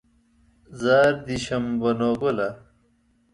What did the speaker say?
زار دې شم بنو ګله